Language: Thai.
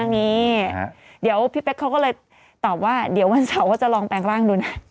อย่างนี้เดี๋ยวพี่เป๊กเขาก็เลยตอบว่าเดี๋ยววันเสาร์ก็จะลองแปลงร่างดูนะ